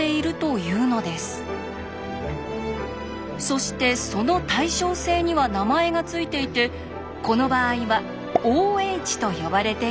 そしてその対称性には名前が付いていてこの場合は「Ｏ」と呼ばれているんです。